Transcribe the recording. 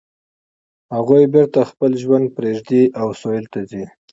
هغوی بیرته خپل ژوند پریږدي او سویل ته ځي